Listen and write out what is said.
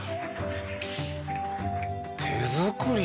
手作り。